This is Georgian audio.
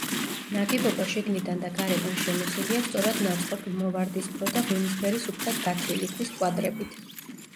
ნაგებობა შიგნიდან და გარედან შემოსილია სწორად ნაწყობი, მოვარდისფრო და ღვინისფერი სუფთად გათლილი ქვის კვადრებით.